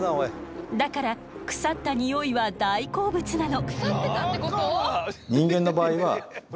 だから腐ったニオイは大好物なの。